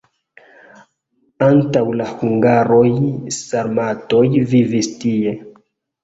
Antaŭ la hungaroj sarmatoj vivis tie.